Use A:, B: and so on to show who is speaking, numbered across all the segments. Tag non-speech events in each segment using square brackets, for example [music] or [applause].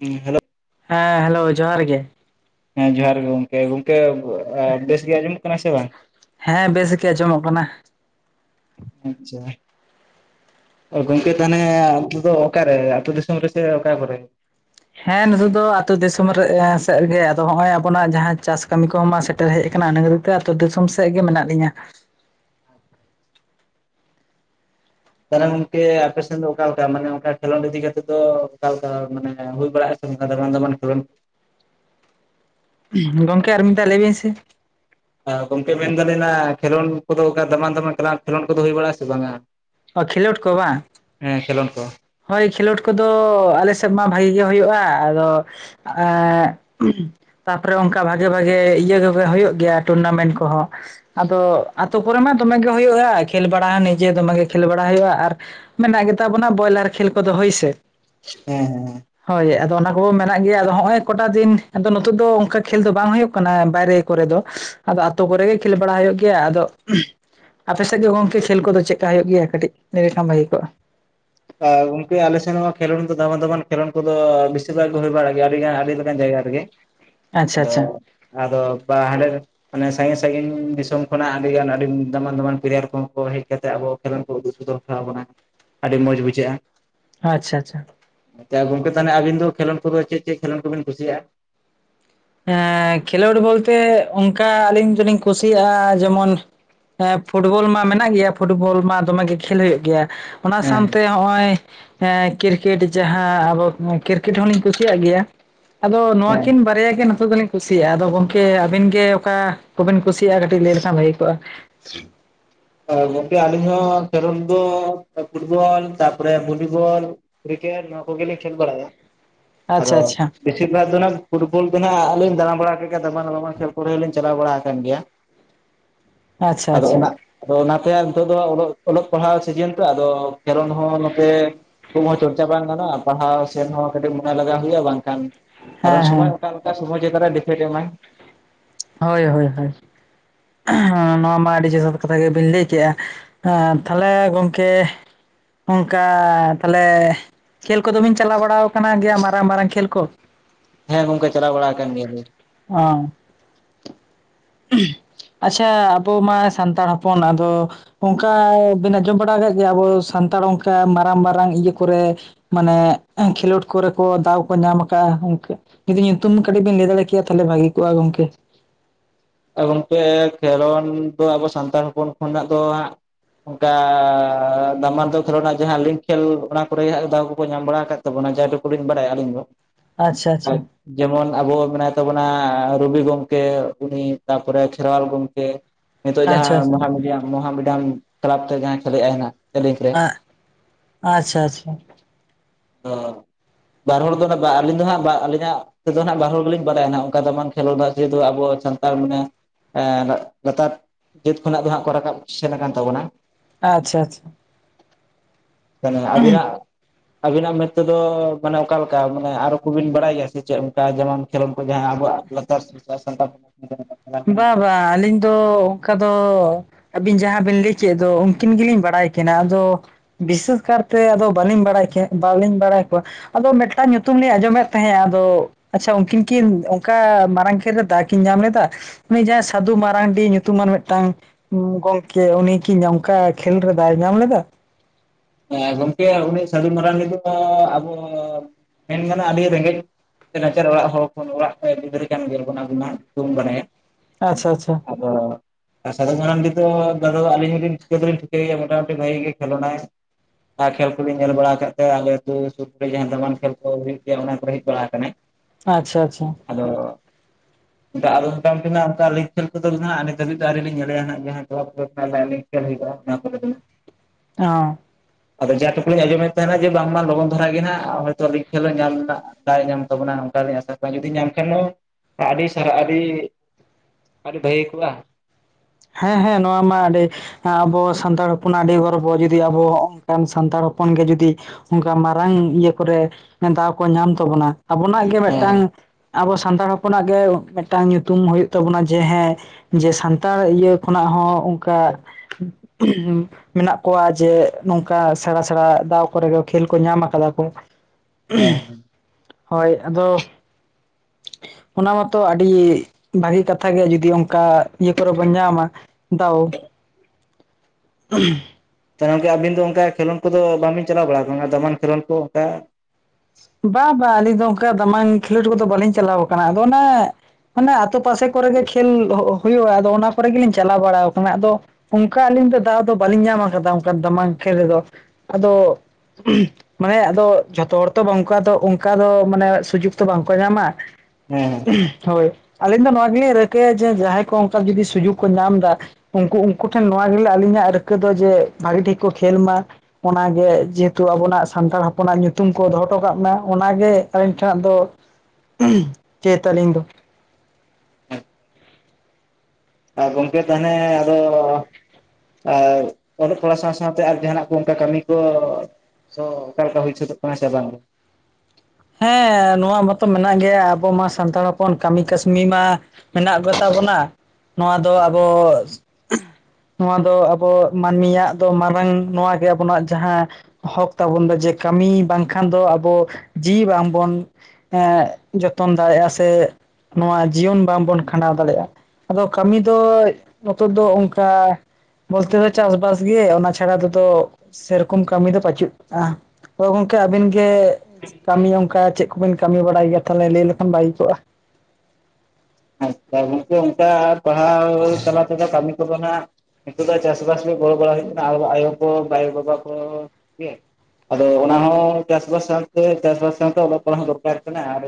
A: ᱦᱩᱸ ᱦᱮᱞᱳ
B: ᱦᱮᱸ ᱦᱮᱞᱳ ᱡᱚᱦᱟᱨ ᱜᱮ
A: ᱦᱮᱸ ᱡᱚᱦᱟᱨ ᱜᱮ ᱜᱚᱝᱠᱮ ᱜᱚᱝᱠᱮ ᱟᱹᱵ ᱵᱮᱥ ᱜᱮ ᱟᱸᱡᱚᱢᱚᱜ ᱠᱟᱱᱟ ᱥᱮ ᱵᱟᱝ
B: ᱦᱮᱸ ᱵᱮᱥ ᱜᱮ ᱟᱸᱡᱚᱢᱚᱜ ᱠᱟᱱᱟ
A: ᱟᱪᱪᱷᱟ ᱜᱚᱝᱠᱮ ᱛᱟᱦᱚᱱᱮ ᱟᱹᱛᱩ ᱫᱚ ᱚᱠᱟᱨᱮ ᱟᱛᱩ ᱫᱤᱥᱚᱢ ᱨᱮ ᱥᱮ ᱚᱠᱟ ᱠᱚᱨᱮ
B: ᱦᱮᱸ ᱱᱤᱛᱚᱜ ᱫᱚ ᱟᱛᱩ ᱫᱤᱥᱚᱢ ᱨᱮ ᱥᱮᱫ ᱜᱮ ᱟᱫᱚ ᱦᱚᱸᱜᱼᱚᱭ ᱟᱵᱚᱱᱟᱜ ᱡᱟᱦᱟᱸ ᱪᱟᱥᱼᱼ ᱠᱟᱹᱢᱤ ᱠᱚᱦᱚᱸ ᱢᱟ ᱥᱮᱴᱮᱨ ᱦᱮᱡ ᱟᱠᱟᱱᱟ ᱚᱱᱟ ᱠᱷᱟᱹᱛᱤᱨ ᱛᱮ ᱟᱛᱳ ᱫᱤᱥᱚᱢ ᱥᱮᱫ ᱜᱮ ᱢᱮᱱᱟᱜ ᱞᱤᱧᱟ
A: ᱛᱟᱦᱚᱞᱮ ᱜᱚᱝᱠᱮ ᱟᱯᱮᱥᱱ ᱫᱚ ᱚᱠᱟᱮᱠᱟ ᱢᱟᱱᱮ ᱚᱱᱠᱟ ᱠᱷᱮᱞᱳᱰ ᱤᱫᱤ ᱠᱟᱛᱮᱜ ᱫᱚ ᱚᱠᱟ ᱞᱮᱠᱟᱠᱟ ᱢᱟᱱᱮ ᱦᱩᱭ ᱵᱟᱲᱟᱜᱼᱟ ᱫᱢᱟᱱ ᱫᱢᱟᱱ [inaudible]
B: ᱜᱚᱝᱠᱮ ᱟᱨ ᱢᱤᱫ ᱫᱟ ᱞᱟᱹᱭ ᱵᱤᱱ ᱥᱮ
A: ᱜᱚᱝᱠᱮ ᱢᱮᱱᱫᱟᱞᱤᱱᱼᱟ ᱠᱷᱮᱞᱳᱰ ᱠᱚᱫᱚ ᱚᱠᱟ ᱫᱟᱢᱟᱱ ᱫᱟᱢᱟᱱ ᱠᱷᱮᱞᱳᱰ ᱠᱚᱫᱚ ᱦᱩᱭ ᱵᱟᱲ ᱟ ᱥᱮ ᱵᱟᱝᱼᱟ
B: ᱚ ᱠᱷᱤᱞᱳᱰ ᱠᱚ ᱵᱟ
A: ᱠᱚ
B: ᱦᱳᱭ ᱠᱷᱮᱞᱳᱰ ᱠᱚᱫᱚ ᱟᱞᱮ ᱥᱮᱫ ᱢᱟ ᱵᱷᱟᱜᱤ ᱜᱮ ᱦᱩᱭᱩᱜᱼᱟ ᱟᱫᱚ ᱟ ᱛᱟᱯᱚᱨᱮ ᱚᱱᱠᱟ ᱵᱷᱟᱜᱮ ᱵᱷᱟᱜᱮ ᱤᱭᱟᱹ ᱠᱚᱮ ᱦᱩᱭᱩᱜ ᱜᱮᱭᱟ ᱴᱩᱨᱱᱟᱢᱮᱱᱴ ᱠᱚᱦᱚᱸ ᱟᱫᱚ ᱟᱛᱳ ᱠᱚᱨᱮ ᱢᱟ ᱫᱚᱢᱮ ᱜᱮ ᱦᱩᱭᱩᱜᱼᱟ ᱠᱷᱮᱞ ᱵᱟᱲᱟ ᱦᱚᱸ ᱱᱤᱡᱮ ᱫᱚᱢᱮ ᱜᱮ ᱠᱷᱮᱞ ᱵᱟᱲᱟ ᱦᱩᱭᱩᱜᱼᱟ ᱟᱨ ᱢᱮᱱᱟᱜ ᱜᱮ ᱛᱟᱵᱚᱱᱟ ᱵᱚᱭᱞᱟᱨ ᱠᱷᱮᱞ ᱠᱚᱫᱚ ᱦᱳᱭᱥᱮ
A: ᱦᱮᱸ ᱦᱮᱸ
B: ᱦᱳᱭ ᱟᱫᱚ ᱚᱱᱟ ᱠᱚ ᱢᱮᱱᱟᱜ ᱜᱮᱭᱟ ᱟᱫᱚ ᱦᱚᱸᱜ ᱚᱭ ᱠᱚᱴᱟ ᱫᱤᱱ ᱟᱫᱚ ᱱᱤᱛᱳ ᱫᱚ ᱚᱱᱠᱟ ᱠᱷᱮᱞ ᱫᱚ ᱵᱟᱝ ᱦᱩᱭᱩᱜ ᱠᱟᱱᱟ ᱵᱟᱭᱨᱮ ᱠᱚᱨᱮ ᱫᱚ ᱟᱫᱚ ᱟᱛᱳ ᱠᱚᱨᱮᱜ ᱜᱮ ᱠᱷᱮᱞ ᱵᱟᱲᱟ ᱦᱳᱭᱳᱜ ᱜᱮᱭᱟ ᱟᱫᱚ ᱟᱯᱮ ᱥᱮᱫ ᱜᱮ ᱜᱚᱝᱠᱮ ᱠᱷᱮᱞ ᱠᱚᱫᱚ ᱪᱮᱫᱠᱟ ᱦᱩᱭᱩᱜ ᱜᱮᱭᱟ ᱠᱟᱹᱴᱤᱡ ᱞᱟᱹᱭ ᱞᱮᱠᱷᱟᱱ ᱵᱷᱟᱜᱮ ᱠᱚᱜᱼᱟ
A: ᱟᱨ ᱜᱚᱝᱠᱮ ᱟᱞ ᱥᱮᱱ ᱢᱟ ᱠᱷᱮᱸᱞᱳᱰ ᱫᱚ ᱫᱟᱢᱟᱱ ᱫᱟᱢᱟᱱ ᱠᱷᱮᱞᱳᱰ ᱠᱚᱫᱚ ᱵᱤᱥᱤᱨ ᱵᱷᱟᱜᱽ ᱜᱮ ᱦᱩᱭ ᱵᱟᱲᱟᱜ ᱜᱮᱭᱟ ᱟᱹᱰᱤ ᱜᱟᱱ ᱟᱹᱰᱤ ᱞᱮᱠᱟᱱ ᱡᱟᱭᱜᱟ ᱨᱮᱜᱮᱡ
B: ᱟᱪᱪᱷᱟ
A: ᱟᱫᱚ
B: ᱟᱪᱪᱷᱟ
A: ᱟᱫᱚ ᱵᱟ ᱦᱟᱸᱰᱮ ᱢᱟᱱᱮ ᱥᱟᱺᱜᱤᱧ ᱥᱟᱺᱜᱤᱧ ᱫᱤᱥᱚᱢ ᱠᱷᱚᱱᱟᱜ ᱟᱹᱰᱤ ᱜᱟᱱ ᱟᱹᱰᱤ ᱫᱟᱢᱟᱱ ᱫᱟᱢᱟᱱ ᱯᱮᱞᱮᱭᱟᱨ ᱠᱚᱦᱚ ᱠᱚ ᱦᱮᱡ ᱠᱟᱛᱮ ᱟᱵᱚ ᱠᱷᱮᱞᱳᱰ ᱠᱚ ᱩᱫᱩᱜ ᱥᱚᱫᱚᱨ ᱟᱵᱚᱱ ᱴᱟᱣᱟ ᱵᱚᱱᱟ ᱟᱹᱰᱤ ᱢᱚᱡᱽ ᱵᱩᱡᱷᱟᱹᱜᱼᱟ
B: ᱟᱪᱪᱷᱟ ᱟᱪᱪᱷᱟ
A: ᱟᱪᱪᱷᱟ ᱜᱚᱝᱠᱮ ᱛᱟᱦᱞᱮ ᱟᱹᱵᱤᱱ ᱫᱚ ᱠᱷᱮᱞᱳᱰ ᱠᱚᱫᱚ ᱪᱮᱫ ᱪᱮᱫ ᱠᱷᱮᱞᱳᱰ ᱠᱚᱵᱤᱱ ᱠᱩᱥᱤᱭᱜᱼᱟ?
B: ᱦᱮᱸ ᱠᱷᱮᱞᱳᱰ ᱵᱚᱞᱛᱮ ᱚᱱᱠᱟ ᱟᱹᱞᱤᱧ ᱫᱚᱞᱤᱧ ᱠᱩᱥᱤᱭᱟᱜᱼᱟ ᱡᱮᱢᱚᱱ ᱦᱮᱸ ᱯᱷᱩᱴᱵᱚᱞ ᱢᱟ ᱢᱮᱱᱟᱜ ᱜᱮᱭᱟ ᱯᱷᱩᱴᱵᱚᱞ ᱢᱟ ᱫᱚᱢᱮᱜᱮ ᱠᱷᱮᱞ ᱦᱩᱭᱩᱜ ᱜᱮᱭᱟ ᱚᱱᱟ
A: ᱦᱮᱸ
B: ᱥᱟᱶᱛᱮ ᱦᱚᱜᱼᱚᱭ ᱠᱨᱤᱠᱮᱴ ᱡᱟᱦᱟᱸ ᱟᱵᱚ ᱠᱨᱤᱠᱮᱴ ᱦᱚᱞᱤᱧ ᱠᱩᱥᱤᱭᱟᱜ ᱜᱮᱭᱟ ᱾ ᱟᱫᱚ
A: ᱦᱮᱸ
B: ᱱᱚᱣᱟᱠᱤᱱ ᱵᱟᱨᱭᱟ ᱜᱮ ᱱᱟ ᱠᱩᱥᱤ ᱫᱚᱞᱤᱧ ᱠᱩᱥᱤᱭᱟᱜᱼᱟ ᱟᱫᱚ ᱜᱚᱢᱠᱮ ᱟᱹᱵᱤᱱ ᱜᱮ ᱚᱠᱟ ᱠᱚᱵᱤᱱ ᱠᱩᱥᱤᱭᱟᱜᱼᱟ ᱠᱟᱹᱴᱤᱡ ᱞᱟᱹᱭ ᱞᱮᱠᱷᱟᱱ ᱵᱷᱟᱹᱜᱮ ᱠᱚᱜᱼᱟ
A: ᱮ ᱜᱚᱝᱠᱮ ᱟᱞᱤᱧ ᱦᱚᱸ ᱠᱷᱮᱞᱳᱰ ᱫᱚ ᱯᱷᱩᱴᱵᱚᱞ ᱛᱟᱨᱯᱚᱨᱮ ᱵᱷᱚᱞᱤᱵᱚᱞ ᱠᱨᱤᱠᱮᱴ ᱱᱚᱣᱟ ᱠᱚᱜᱮᱞᱮ ᱠᱷᱮᱞ ᱵᱟᱲᱟᱭᱟ ᱟᱫᱚ
B: ᱟᱪᱪᱷᱟ ᱟᱪᱪᱷᱟ
A: ᱵᱮᱥᱤᱨ ᱵᱷᱟᱜᱽ ᱫᱚ ᱱᱟᱜ ᱯᱷᱩᱴᱵᱚᱞ ᱫᱚ ᱱᱟᱦᱟᱜ ᱟᱞᱤᱧ ᱫᱟᱬᱟ ᱵᱟᱲᱟ ᱠᱮᱫ ᱜᱮ ᱫᱟᱢᱟᱱ ᱫᱟᱢᱟᱱ ᱠᱷᱮᱞ ᱠᱚᱨᱮ ᱦᱚᱸ ᱞᱤᱧ ᱪᱟᱞᱟᱣ ᱵᱟᱲᱟ ᱟᱠᱟᱱ ᱜᱮᱭᱟ
B: ᱟᱪᱪᱷᱟ
A: ᱟᱫᱚ
B: ᱟᱪᱪᱷᱟ
A: ᱚᱱᱟ ᱟᱫᱚ ᱚᱱᱟᱛᱮ ᱦᱟᱜ ᱱᱤᱛᱚᱜ ᱫᱚ ᱚᱞᱚᱜ ᱚᱞᱚᱜ ᱯᱟᱲᱦᱟᱣ ᱥᱤᱡᱮᱱ ᱛᱚ ᱟᱫᱚ ᱠᱷᱮᱞᱳᱰ ᱦᱚᱸ ᱱᱚᱛᱮ ᱠᱷᱩᱵ ᱦᱚᱸ ᱪᱚᱨᱪᱟ ᱵᱟᱝ ᱜᱟᱱᱚᱜᱼᱟ ᱯᱟᱲᱦᱟᱣ ᱥᱮᱱ ᱦᱚᱸ ᱠᱟᱹᱴᱤᱡ ᱢᱚᱱᱮ ᱞᱟᱜᱟᱣ ᱦᱩᱭᱩᱜᱼᱟ ᱵᱟᱝᱠᱷᱟᱱ ᱟᱨᱚᱢ
B: ᱦᱮᱸ
A: ᱥᱚᱢᱚᱭ
B: ᱦᱮᱸ
A: ᱚᱠᱟ ᱞᱮᱠᱟ ᱥᱚᱢᱚᱭ ᱪᱮᱛᱟᱱ ᱨᱮ ᱰᱤᱯᱷᱮᱴ ᱮᱢᱟᱭ
B: ᱦᱳᱭ ᱦᱳᱭ ᱦᱳᱭ ᱮᱦ ᱱᱚᱣᱟ ᱢᱟ ᱟᱹᱰᱤ ᱡᱚᱛᱷᱟᱛ ᱠᱟᱛᱷᱟ ᱜᱮᱵᱤᱱ ᱞᱟᱹᱭ ᱠᱮᱜᱼᱟ ᱦᱮᱸ ᱛᱷᱟᱞᱮ ᱜᱚᱝᱠᱮ ᱚᱱᱠᱟ ᱛᱟᱦᱞᱮ ᱠᱷᱮᱞ ᱠᱚᱫᱚ ᱵᱤᱱ ᱪᱟᱞᱟᱣ ᱵᱟᱲᱟ ᱟᱠᱟᱱᱟ ᱜᱮᱭᱟ ᱢᱟᱨᱟᱝ ᱢᱟᱨᱟᱝ ᱠᱷᱮᱞ ᱠᱚ
A: ᱦᱮᱸ ᱜᱚᱝᱠᱮ ᱪᱟᱞᱟᱣ ᱵᱟᱲᱟ ᱠᱟᱱ ᱜᱮᱭᱟᱞᱤᱧ
B: ᱚ ᱩᱜ ᱟᱪᱪᱷᱟ ᱟᱵᱚ ᱢᱟ ᱥᱟᱱᱛᱟᱲ ᱦᱚᱯᱚᱱ ᱟᱫᱚ ᱚᱱᱠᱟ ᱵᱤᱱ ᱟᱸᱡᱚᱢ ᱵᱟᱲᱟ ᱟᱠᱟᱫᱟ ᱜᱮᱭᱟᱢ ᱟᱵᱚ ᱥᱟᱱᱛᱟᱲ ᱚᱱᱠᱟ ᱢᱟᱨᱟᱝ ᱢᱟᱨᱟᱝ ᱤᱭᱟᱹ ᱠᱚᱨᱮ ᱢᱟᱱᱮ ᱮ ᱠᱷᱮᱞᱳᱰ ᱠᱚᱨᱮ ᱠᱚ ᱫᱟᱣ ᱠᱚ ᱧᱟᱢ ᱟᱠᱟᱜᱼᱟ ᱤᱝᱠᱟ. ᱡᱩᱫᱤ ᱧᱩᱛᱩᱢ ᱠᱟᱹᱴᱤᱡ ᱵᱤᱱ ᱞᱟᱹᱭ ᱫᱟᱲᱮ ᱠᱮᱭᱟ ᱛᱟᱦᱞᱮ ᱵᱷᱟᱹᱜᱤ ᱠᱚᱜᱼᱟ ᱜᱚᱝᱠᱮ
A: ᱜᱚᱝᱠᱮ ᱠᱷᱮᱞᱳᱰ ᱫᱚ ᱟᱵᱚ ᱥᱟᱱᱛᱟᱲ ᱦᱚᱯᱚᱱ ᱠᱷᱚᱱᱟᱜ ᱫᱚ ᱦᱟᱸᱜ ᱚᱝᱠᱟ ᱫᱟᱢᱟᱱ ᱫᱚ ᱠᱷᱮᱞᱳᱰ ᱦᱟᱸᱜ ᱡᱮ ᱦᱟᱸᱜ ᱞᱤᱝᱠ ᱠᱷᱮᱞ ᱚᱱᱟ ᱠᱚᱨᱮ ᱜᱮ ᱦᱟᱸᱜ ᱫᱟᱣ ᱠᱚᱠᱚ ᱧᱟᱢ ᱵᱟᱲᱟ ᱠᱟᱫ ᱛᱟᱵᱚᱱᱟ ᱡᱟ ᱴᱩᱠᱩᱞᱤᱧ ᱵᱟᱲᱟᱭᱟ ᱟᱹᱞᱤᱧ ᱫᱚ
B: ᱟᱪᱪᱷᱟ ᱟᱪᱪᱷᱟ
A: ᱡᱮᱢᱚᱱ ᱟᱵᱚ ᱢᱮᱱᱟᱭ ᱛᱟᱵᱚᱱᱟ ᱨᱚᱵᱤ ᱜᱚᱢᱠᱮ ᱩᱱᱤ ᱛᱟᱯᱚᱨᱮ ᱠᱷᱮᱨᱣᱟᱞ ᱜᱚᱢᱠᱮ ᱱᱤᱛᱚᱜ
B: ᱟᱪᱪᱷᱟ
A: ᱡᱟᱦᱟᱸ ᱢᱚᱦᱟ ᱢᱤᱰᱤᱭᱟᱢ ᱢᱚᱦᱟ ᱢᱮᱰᱟᱢ ᱠᱞᱟᱵᱽ ᱛᱮ ᱡᱟᱦᱟᱸᱭ ᱠᱷᱮᱞᱮᱜ ᱟᱭ ᱱᱟᱸᱜ [unintelligible]
B: ᱟᱪᱪᱷᱟ ᱟᱪᱪᱷᱟ
A: [unintelligible] ᱵᱟᱨ ᱦᱚᱲ ᱫᱚ ᱟᱹᱞᱤᱧ ᱫᱚ ᱦᱟᱸᱜ ᱟᱹᱞᱤᱧᱟᱜ ᱛᱮᱫᱚ ᱱᱟᱜ ᱵᱟᱨ ᱦᱚᱲ ᱜᱮᱞᱤᱧ ᱵᱟᱰᱟᱭᱟ ᱱᱟᱜ ᱚᱱᱠᱟ ᱫᱟᱢᱟᱱ ᱠᱷᱮᱞᱳᱰᱟ ᱡᱮᱦᱮᱛᱩ ᱟᱵᱚ ᱥᱟᱱᱛᱟᱲ ᱢᱟᱱᱮ ᱮᱸ ᱞᱟᱛᱟᱨ ᱡᱟᱹᱛ ᱠᱷᱚᱱᱟᱜ ᱫᱚ ᱦᱟᱸᱜ ᱠᱚ ᱨᱟᱠᱟᱵ ᱥᱮᱱ ᱠᱟᱱ ᱛᱟᱵᱚᱱᱟ
B: ᱟᱪᱪᱷᱟ ᱟᱪᱪᱷᱟ
A: ᱛᱟᱞᱦᱮ ᱟᱹᱵᱤᱱᱟᱜ ᱟᱵᱤᱱᱟᱜ ᱢᱮᱫ ᱛᱮᱫᱚ ᱢᱟᱱᱮ ᱚᱠᱟ ᱞᱮᱠᱟ ᱢᱟᱱᱮ ᱟᱨ ᱠᱚᱵᱤᱱ ᱵᱟᱲᱟᱭ ᱜᱮᱭᱟ ᱥᱮ ᱪᱮᱫ ᱚᱱᱠᱟ ᱡᱮᱢᱚᱱ ᱠᱷᱮᱞᱳᱰ ᱠᱚ ᱡᱟᱦᱟᱸ ᱟᱵᱚᱣᱟᱜ ᱞᱟᱛᱟᱨ ᱥᱟᱱᱛᱟᱲ [unintelligible]
B: ᱵᱟ ᱵᱟ ᱟᱹᱞᱤᱧ ᱫᱚ ᱚᱱᱠᱟ ᱫᱚ ᱟᱹᱵᱤᱱ ᱡᱟᱦᱟᱸ ᱵᱤᱱ ᱞᱟᱹᱭ ᱠᱮᱫ ᱫᱚ ᱩᱱᱠᱤᱱ ᱜᱮᱞᱤᱧ ᱵᱟᱲᱟᱭ ᱠᱤᱱᱟ ᱟᱫᱚ ᱵᱤᱥᱥᱮᱥ ᱠᱟᱨᱛᱮ ᱟᱫᱚ ᱵᱟᱹᱞᱤᱧ ᱵᱟᱲᱟᱭ ᱠᱮ ᱵᱟᱹᱞᱤᱧ ᱵᱟᱲᱟᱭ ᱠᱚᱣᱟ ᱟᱫᱚ ᱢᱮᱫᱴᱟᱝ ᱧᱩᱛᱩᱢ ᱞᱤᱧ ᱟᱸᱡᱚᱢᱮᱫ ᱛᱟᱦᱮᱸᱫ ᱟᱫᱚ ᱟᱪᱪᱷᱟ ᱩᱱᱠᱤᱱ ᱠᱤᱱ ᱚᱱᱠᱟ ᱢᱟᱨᱟᱝ ᱠᱷᱮᱞ ᱨᱮ ᱫᱟᱣ ᱠᱤᱱ ᱧᱟᱢ ᱞᱮᱫᱟ ᱩᱱᱤ ᱡᱟᱦᱟᱸᱭ ᱥᱟᱫᱷᱩ ᱢᱟᱨᱟᱱᱰᱤ ᱧᱩᱛᱩᱢᱟᱱ ᱢᱮᱫᱴᱟᱝ ᱜᱚᱝᱠᱮ ᱩᱱᱤ ᱠᱤ ᱱᱚᱝᱠᱟ ᱠᱷᱮᱞ ᱨᱮ ᱫᱟᱣᱮ ᱧᱟᱢ ᱞᱮᱫᱟ?
A: ᱮᱸ ᱜᱚᱢᱠᱮ ᱩᱱᱤ ᱥᱟ. ᱫᱷᱩ ᱢᱟᱨᱟᱱᱰᱤ ᱫᱚ ᱟᱵᱚ ᱴᱷᱮᱱ ᱢᱟᱱᱮ ᱟ. ᱰᱤ ᱨᱮᱸᱜᱮᱡ ᱱᱟᱪᱟᱨ ᱚᱲᱟᱜ ᱦᱚᱲ ᱠᱷᱚᱱ ᱚᱲᱟᱜ ᱜᱤᱫᱽᱨᱟᱹ ᱠᱟᱱ ᱜᱮᱭᱟ [unintelligible] ᱵᱟᱲᱟᱭᱟ
B: ᱟᱪᱪᱷᱟ ᱟᱪᱪᱷᱟ
A: ᱟᱫᱚ ᱟ ᱥᱟᱫᱷᱩ ᱢᱟᱨᱟᱱᱰᱤ ᱫᱚ ᱫᱟᱫᱟ ᱫᱚ ᱟᱹᱞᱤᱧ ᱦᱚᱸᱞᱤᱧ ᱴᱷᱤᱠᱟᱹ ᱫᱚᱞᱤᱧ ᱴᱷᱤᱠᱟᱹᱭᱟ ᱢᱚᱴᱟᱢᱩᱴᱤ ᱵᱷᱟᱜᱤ ᱜᱮ ᱠᱷᱮᱞᱳᱰᱟᱭ ᱟ ᱠᱷᱮᱞ ᱠᱚᱞᱤᱧ ᱧᱮᱞ ᱵᱟᱲᱟ ᱟᱠᱟᱫ ᱛᱟᱭᱟ ᱟᱞᱮ ᱟᱹᱛᱩ ᱥᱩᱨ ᱠᱚᱨᱮ ᱡᱟᱦᱟᱸ ᱫᱟᱢᱟᱱ ᱠᱷᱮᱞ ᱠᱚ ᱦᱩᱭᱩᱜ ᱜᱮᱭᱟ ᱚᱱᱟ ᱠᱚᱨᱮ ᱦᱮᱡ ᱵᱟᱲᱟ ᱟᱠᱟᱱᱟᱭ
B: ᱟᱪᱷᱟ ᱟᱪᱷᱟ
A: ᱟᱫᱚ ᱫᱟ ᱟᱫᱚ ᱚᱱᱠᱟᱱ ᱴᱤᱢ ᱟᱜ ᱚᱱᱠᱟ ᱞᱤᱠ ᱠᱷᱮᱞ ᱠᱚᱫᱚ ᱱᱟᱜ ᱱᱤᱛ ᱫᱷᱟ. ᱵᱤᱡ ᱫᱚ ᱟ. ᱣᱨᱤᱞᱤᱧ ᱧᱮᱞᱮᱭᱟ ᱱᱟᱜ ᱡᱟᱸᱦᱟ ᱠᱚ [unintelligible] ᱠᱷᱮᱞ ᱦᱳᱭᱳᱜᱼᱟ ᱚᱱᱟ ᱠᱚᱨᱮ ᱫᱚ ᱱᱟᱜ
B: ᱚᱸ
A: ᱟᱫᱚ ᱡᱟ ᱴᱩᱠᱩ ᱞᱤᱧ ᱟᱸᱡᱚᱢᱮᱫ ᱛᱟᱦᱮᱱᱟ ᱡᱮ ᱵᱟᱝᱢᱟ ᱞᱚᱜᱚᱱ ᱫᱷᱟᱨᱟ ᱜᱮ ᱱᱟᱸᱜ ᱦᱚᱭᱛᱚ ᱞᱤᱠᱷ ᱠᱷᱮᱞ ᱦᱚᱸ ᱧᱟᱢ ᱨᱮᱱᱟᱜ ᱫᱟᱭᱮ ᱧᱟᱢ ᱛᱟᱵᱚᱱᱟ ᱚᱱᱠᱟᱞᱤᱧ ᱟᱸᱥᱟᱜ ᱠᱚᱣᱟ ᱡᱩᱫᱤ ᱧᱟᱢ ᱠᱷᱟᱱᱮ ᱢᱟ ᱟᱹᱰᱤ ᱥᱟᱨᱦᱟᱣ ᱟᱹᱰᱤ ᱟᱹᱰᱤ ᱜᱷᱟᱜᱤᱠᱚᱜ-ᱟ ᱾
B: ᱦᱮᱸ ᱦᱮᱸ ᱱᱚᱣᱟ ᱢᱟ ᱟᱹᱰᱤ ᱟᱵᱚ ᱥᱟᱱᱛᱟᱲ ᱦᱚᱯᱚᱱᱟᱜ ᱟᱹᱰᱤ ᱜᱚᱨᱵᱚ ᱵᱚᱜ ᱡᱚᱫᱤ ᱟᱵᱚ ᱦᱚᱜ-ᱚᱱ ᱠᱟᱱ ᱥᱟᱱᱛᱟᱲ ᱦᱚᱯᱚᱱ ᱜᱮ ᱡᱩᱫᱤ ᱚᱱᱠᱟ ᱢᱟᱨᱟᱝ ᱤᱭᱟᱹ ᱠᱚᱨᱮ ᱫᱟᱣ ᱠᱚ ᱧᱟᱢ ᱛᱟᱵᱚᱱᱟ, ᱟᱵᱚᱱᱟᱜ ᱜᱮ ᱢᱤᱫᱴᱟᱝ
A: ᱦᱮᱸ
B: ᱟᱵᱚ ᱥᱟᱱᱛᱟᱲ ᱦᱚᱯᱚᱱᱟᱜ ᱜᱮ ᱢᱤᱫᱴᱟᱝ ᱧᱩᱛᱩᱢ ᱦᱩᱭᱩᱜ ᱛᱟᱵᱚᱱᱟ ᱡᱮ ᱦᱮᱸ ᱡᱮ ᱥᱟᱱ ᱥᱟᱱᱛᱟᱲ ᱤᱭᱟᱹ ᱠᱷᱚᱱᱟᱜ ᱦᱚᱸ ᱚᱱᱠᱟ [unintelligible] ᱢᱮᱱᱟᱜ ᱠᱚᱣᱟ ᱡᱮ ᱱᱚᱝᱠᱟ ᱥᱮᱬᱟ ᱥᱮᱬᱟ ᱫᱟᱣ ᱠᱚᱨᱮ ᱜᱮ ᱠᱷᱮᱞ ᱠᱚ ᱧᱟᱢ ᱟᱠᱟᱫᱟ ᱠᱚ ᱾
A: ᱦᱮᱸ
B: [inaudible] ᱦᱳᱭ ᱟᱫᱚ ᱚᱱᱟ ᱢᱟᱛᱚ ᱟᱹᱰᱤ ᱵᱷᱟᱹᱜᱤ ᱠᱟᱛᱷᱟ ᱜᱮ ᱡᱩᱚᱫᱤ ᱚᱱᱠᱟ ᱤᱭᱟᱹ ᱠᱚᱨᱮ ᱵᱚᱱ ᱧᱟᱢᱟ ᱾ ᱫᱟᱸᱣ [inaudible]
A: ᱛᱟᱦᱮ ᱜᱚᱢᱠᱮ ᱟᱵᱤᱱ ᱫᱚ ᱚᱱᱠᱟ ᱠᱷᱮᱞᱳᱱ ᱠᱚᱫᱚ ᱵᱟᱝᱵᱤᱱ ᱪᱟᱞᱟᱣ ᱵᱟᱲᱟ ᱟᱠᱟᱱᱟ ᱫᱟᱢᱟᱱ ᱠᱷᱮᱞᱳᱱ ᱠᱚ ᱚᱱᱠᱟ?
B: ᱵᱟᱝ ᱵᱟᱝ ᱟᱹᱞᱤᱧ ᱫᱚ ᱚᱱᱠᱟ ᱫᱟᱢᱟᱱ ᱠᱷᱮᱞᱳᱰ ᱠᱚᱫᱚ ᱵᱟᱞᱤᱧ ᱪᱟᱞᱟᱣ ᱟᱠᱟᱱᱟ, ᱟᱫᱚ ᱚᱱᱮ ᱢᱟᱱᱮ ᱟᱛᱳ ᱯᱟᱥᱮ ᱠᱚᱨᱮ ᱜᱮ ᱠᱷᱮᱞ ᱦᱳ ᱦᱩᱭᱩᱜᱼᱟ ᱟᱫᱚ ᱚᱱᱟ ᱠᱚᱨᱮ ᱜᱮᱞᱤᱧ ᱪᱟᱞᱟᱣ ᱵᱟᱲᱟ ᱟᱠᱟᱱᱟ ᱟᱫᱚ ᱚᱱᱠᱟ ᱟᱹᱞᱤᱧ ᱫᱚ ᱫᱟᱣ ᱫᱚ ᱵᱟᱞᱤᱧ ᱧᱟᱢ ᱟᱠᱟᱫᱟ ᱚᱱᱠᱟᱱ ᱫᱟᱢᱟᱱ ᱠᱷᱮᱠ ᱨᱮᱫᱚ ᱟᱫᱚ [inaudible] ᱢᱟᱱᱮ ᱟᱫᱚ ᱡᱷᱚᱛᱚ ᱦᱚᱲ ᱛᱚ ᱚᱱᱠᱟ ᱫᱚ ᱟᱱᱠᱟ ᱫᱚ ᱢᱟᱱᱮ ᱥᱩᱡᱩᱜ ᱛᱚ ᱵᱟᱝ-ᱠᱚ ᱧᱟᱢᱟ ᱾
A: ᱦᱮᱸ ᱾
B: [inaudible] ᱦᱳᱭ ᱟᱹᱞᱤᱧ ᱫᱚ ᱱᱚᱣᱟ ᱜᱮᱞᱤᱧ ᱨᱤᱠᱟᱹᱭᱟ ᱡᱮ ᱡᱟᱦᱟᱸᱭ ᱠᱚ ᱚᱱᱠᱟ ᱡᱩᱫᱤ ᱥᱩᱡᱩᱜᱽ ᱠᱚ ᱧᱟᱢ ᱫᱟ ᱩᱱᱠᱩ ᱩᱱᱠᱩ ᱴᱷᱮᱱ ᱱᱚᱣᱟ ᱜᱮ ᱟᱹᱞᱤᱧᱟᱜ ᱨᱤᱠᱟᱹ ᱫᱚ ᱡᱮ ᱵᱷᱟᱹᱜᱤ ᱴᱷᱤᱠ ᱠᱚ ᱠᱷᱮᱞ ᱢᱟ ᱾ ᱚᱱᱟᱜᱮ ᱡᱮᱦᱮᱛᱩ ᱟᱵᱚᱱᱟᱜ ᱥᱟᱱᱛᱟᱲ ᱦᱚᱯᱚᱱᱟᱜ ᱧᱩᱛᱩᱢ ᱠᱚ ᱫᱚᱦᱚ ᱴᱚ ᱠᱟᱜ ᱢᱟ ᱚᱱᱟᱜᱮ ᱟᱹᱞᱤᱧ ᱴᱷᱮᱱᱟᱜ [inaudible] ᱫᱚ ᱪᱟᱹᱭ ᱛᱟᱞᱤᱧ ᱫᱚ ᱾
A: ᱜᱚᱢᱠᱮ ᱛᱟᱦᱚᱞᱮ ᱟᱫᱚ ᱟᱨ ᱚᱞᱚᱜ ᱯᱟᱲᱦᱟᱣ ᱥᱟᱶ ᱥᱟᱶᱛᱮ ᱟᱨ ᱡᱟᱦᱱᱟᱜ ᱠᱚ ᱚᱱᱠᱟ ᱠᱟᱹᱢᱤ ᱠᱚ ᱛᱚ ᱚᱠᱟᱞᱮᱠᱟ ᱦᱩᱭ ᱥᱟᱹᱛᱚᱜ ᱠᱟᱱᱟ ᱥᱮ ᱵᱟᱝᱜᱮ?
B: ᱦᱮᱸ ᱱᱚᱣᱟ ᱢᱟᱛᱚ ᱢᱮᱱᱟᱜ ᱜᱮᱭᱟ ᱟᱵᱚ ᱢᱟ ᱥᱟᱱᱛᱟᱲ ᱦᱚᱯᱚᱱ, ᱠᱟᱹᱢᱤ ᱠᱟᱹᱥᱢᱤ ᱢᱟ ᱦᱮᱱᱟᱜ ᱜᱮ ᱛᱟᱵᱚᱱᱟ ᱱᱚᱣᱟ ᱫᱚ ᱟᱵᱚ ᱱᱚᱣᱟ ᱫᱚ ᱟᱵᱚ ᱢᱟᱹᱱᱢᱤᱭᱟᱜ ᱫᱚ ᱢᱟᱨᱟᱝ ᱱᱚᱣᱟᱜᱮ ᱟᱵᱚᱱᱟᱜ ᱡᱟᱦᱟᱸ ᱦᱚᱠ ᱛᱟᱵᱚᱱ ᱫᱚ ᱡᱮ ᱠᱟᱹᱢᱤ ᱵᱟᱝᱠᱷᱟᱱ ᱫᱚ ᱟᱵᱚ ᱡᱤᱭᱤ ᱵᱟᱝᱵᱚᱱ ᱮᱸ ᱡᱚᱛᱚᱱ ᱫᱟᱲᱮᱜᱼᱟ ᱥᱮ ᱱᱚᱣᱟ ᱡᱤᱭᱚᱱ ᱵᱟᱝᱵᱚᱱ ᱠᱷᱟᱸᱰᱟᱣ ᱫᱟᱲᱮᱜᱼᱟ ᱾ ᱟᱫᱚ ᱠᱟᱹᱢᱤ ᱫᱚ ᱱᱤᱛᱚᱜ ᱫᱚ ᱚᱱᱠᱟ ᱵᱚᱞᱛᱮ ᱫᱚ ᱪᱟᱥᱵᱟᱥ ᱜᱮ ᱚᱱᱟ ᱪᱷᱟᱲᱟ ᱫᱚ ᱛᱚ ᱥᱮᱨᱚᱠᱚᱢ ᱠᱟᱹᱢᱤ ᱫᱚ ᱵᱟᱹᱪᱩᱜ-ᱟ ᱾ ᱛᱚ ᱜᱚᱢᱠᱮ ᱟᱵᱤᱱ ᱜᱮ ᱠᱟᱹᱢᱤ ᱚᱱᱠᱟ ᱪᱮᱫ ᱠᱚᱵᱤᱱ ᱠᱟᱹᱢᱤ ᱵᱟᱲᱟᱭ ᱜᱮᱭᱟ? ᱛᱟᱦᱚᱞᱮ ᱞᱟᱹᱭ ᱞᱮᱠᱷᱟᱱ ᱵᱷᱟᱹᱜᱤ ᱠᱚᱜᱼᱟ ᱾
A: ᱟᱪᱪᱷᱟ ᱜᱚᱢᱠᱮ ᱚᱱᱠᱟ ᱯᱟᱲᱦᱟᱣ ᱛᱟᱞᱟ ᱛᱮᱫᱚ ᱠᱟᱹᱢᱤ ᱠᱚᱫᱚ ᱱᱟᱜ ᱱᱤᱛᱚᱜ ᱫᱚ ᱪᱟᱥ ᱵᱟᱥ ᱜᱮ ᱜᱚᱲᱚ ᱵᱟᱲᱟ ᱦᱩᱭᱩᱜ ᱠᱟᱱᱟ ᱟᱭᱳ ᱠᱚ ᱟᱭᱳ ᱵᱟᱵᱟ ᱠᱚ ᱜᱮ ᱾ ᱟᱫᱚ ᱚᱱᱟ ᱦᱚᱸ ᱪᱟᱥᱵᱟᱥ ᱥᱟᱶᱛᱮ ᱪᱟᱥᱵᱟᱥ ᱥᱟᱶᱛᱮ ᱚᱞᱚᱜ ᱯᱟᱲᱦᱟᱣ ᱫᱚᱨᱠᱟᱨ ᱠᱟᱱᱟᱭ ᱟᱨ